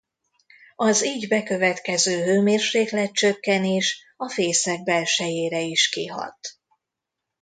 Az így bekövetkező hőmérséklet-csökkenés a fészek belsejére is kihat.